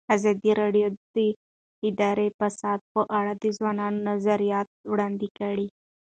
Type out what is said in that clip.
ازادي راډیو د اداري فساد په اړه د ځوانانو نظریات وړاندې کړي.